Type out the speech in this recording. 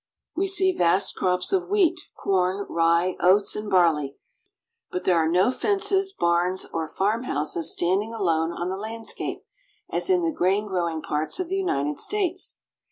We see vast crops of wheat, corn, rye, oats, and barley, but there are no fences, barns, or farmhouses standing alone on the landscape, as in the grain growing parts of the United States.